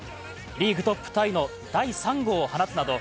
リーグトップタイの第３号を放つなど